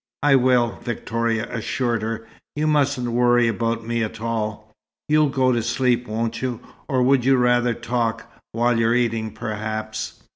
"I will," Victoria assured her. "You mustn't worry about me at all." "You'll go to sleep, won't you? or would you rather talk while you're eating, perhaps?"